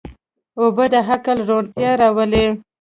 اوبه د عقل روڼتیا راولي.